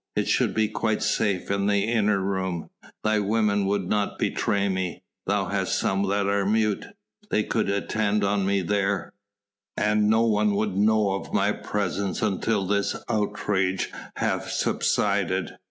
I should be quite safe in the inner room ... thy women would not betray me ... thou hast some that are mute ... they could attend on me there, and no one would know of my presence until this outrage hath subsided....